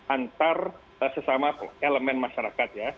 antar sesama elemen masyarakat ya